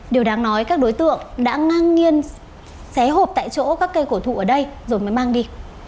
điều đáng nói các đối tượng đã ngang nhiên xé hộp tại chỗ các cây cổ thụ ở đây rồi mới mang đi